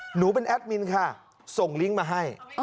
หนูเป็นแอดมินค่ะส่งลิงก์มาให้